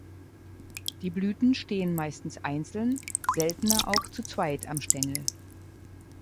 Die Blüten stehen meistens einzeln, seltener auch zu zweit am Stängel.